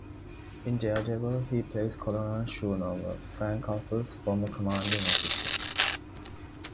In "Daredevil", he plays Colonel Schoonover, Frank Castle's former commanding officer.